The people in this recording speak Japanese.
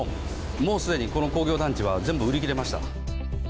もう既にこの工業団地は全部売り切れました。